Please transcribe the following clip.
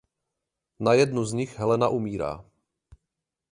Na jednu z nich Helena umírá.